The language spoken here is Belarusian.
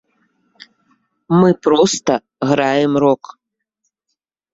Мы проста граем рок!